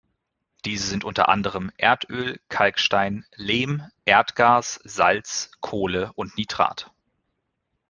Diese sind unter anderem: Erdöl, Kalkstein, Lehm, Erdgas, Salz, Kohle und Nitrat.